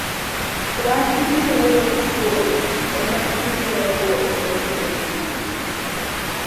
wach mibiro wuoyo kuome ema ibiro riwo godo joma winji.